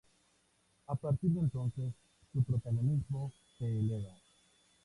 A partir de entonces, su protagonismo se eleva.